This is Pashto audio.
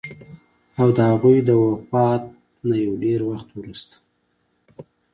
او د هغوي د وفات نه يو ډېر وخت وروستو